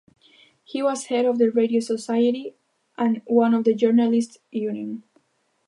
He was head of the Radio Society and of the journalists’ union.